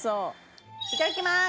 いただきます。